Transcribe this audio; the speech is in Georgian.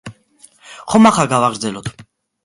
ხომ, ახლა გავაგრძელოთ.